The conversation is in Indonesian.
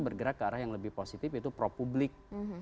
bergerak ke arah yang lebih positif yaitu pro publik